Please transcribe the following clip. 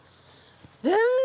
全然！